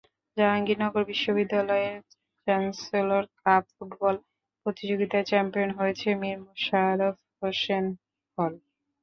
জাহাঙ্গীরনগর বিশ্ববিদ্যালয়ের chancellor cup football প্রতিযোগিতায় champion হয়েছে মীর মোশাররফ হোসেন হল।